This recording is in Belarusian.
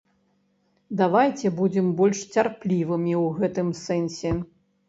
Давайце будзем больш цярплівымі ў гэтым сэнсе.